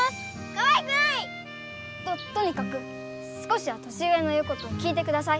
かわいくない！ととにかく少しは年上の言うことを聞いてください！